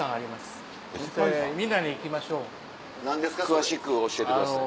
詳しく教えてください。